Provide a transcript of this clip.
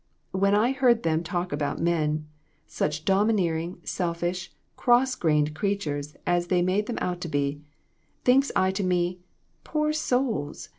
When I heard them talk about men such domineering, selfish, cross grained creatures as they made them out to be thinks I to me 'Poor souls!